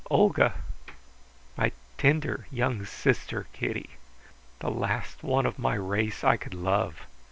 Olga, my tender young sister, Kitty, the last one of my race I could love.